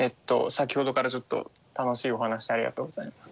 先ほどからずっと楽しいお話をありがとうございます。